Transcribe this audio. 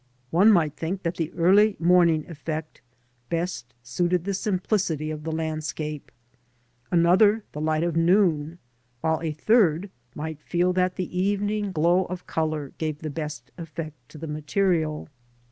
One might think that the early morning effect best suited the simplicity of the landscape, another the light of noon, while a third might feel that the evening glow of colour gave the best effect to the material.